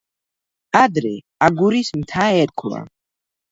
ადრე აგურის მთა ერქვა.